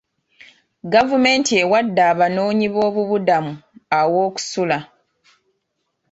Gavumenti ewadde abanoonyi boobubudamu aw'okusula.